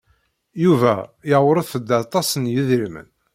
Yuba yewṛet-d aṭas n yedrimen.